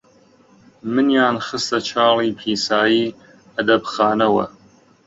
منیان خستە چاڵی پیسایی ئەدەبخانەوە،